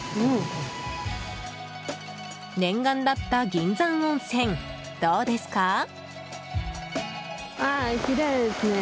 念願だった銀山温泉どうですか？